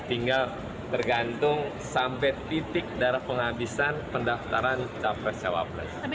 tinggal tergantung sampai titik darah penghabisan pendaftaran capres jawab